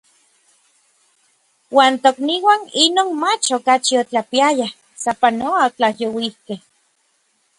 Uan tokniuan inon mach okachi otlapiayaj, sapanoa otlajyouikej.